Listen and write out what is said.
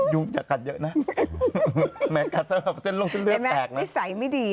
อาจจะกัดเยอะนะแค่แค่ใส่ไม่ดี